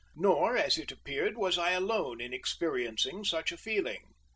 Nor, it appeared, was I alone in experiencing such a feeling.